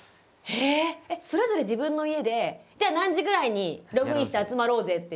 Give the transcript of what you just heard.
へえそれぞれ自分の家でじゃあ何時ぐらいにログインして集まろうぜっていう？